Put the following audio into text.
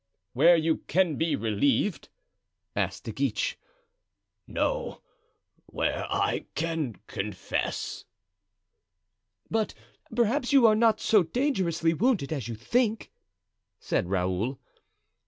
"Where you can be relieved?" asked De Guiche. "No, where I can confess." "But perhaps you are not so dangerously wounded as you think," said Raoul.